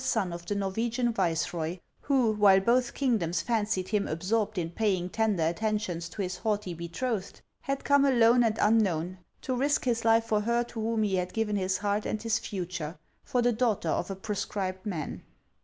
319 son of the Norwegian viceroy, who, while both kingdoms fancied him absorbed in paying tender attentions to his haughty betrothed, had come alone and unknown to risk his life for her to whom he had given his heart and his future, for the daughter of a proscribed man.